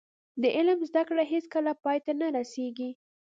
د علم زده کړه هیڅکله پای ته نه رسیږي.